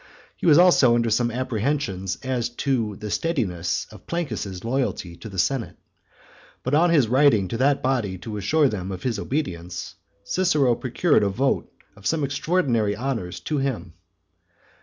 He was also under some apprehension as to the steadiness of Plancus's loyalty to the senate; but on his writing to that body to assure them of his obedience, Cicero procured a vote of some extraordinary honours to him.